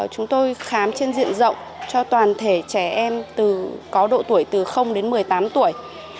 chúng tôi khám trên diện rộng cho toàn thể trẻ em có độ tuổi từ đến một mươi tám tuổi